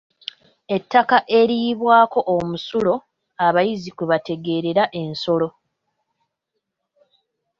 Ettaka eriyiibwako omusulo abayizzi kwe bategeerera ensolo.